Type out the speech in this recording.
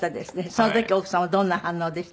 その時奥様どんな反応でした？